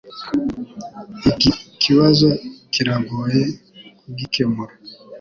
Iki kibazo kiragoye kugikemura